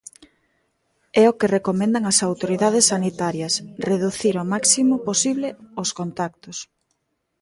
É o que recomendan as autoridades sanitarias, reducir ao máximo posible os contactos.